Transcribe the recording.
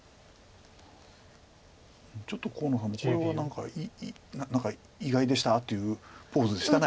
ちょっと河野さんもこれは何か意外でしたっていうポーズでした今。